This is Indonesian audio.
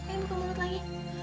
aku mau mulut lagi